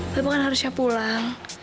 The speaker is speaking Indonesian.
pak prabu kan harusnya pulang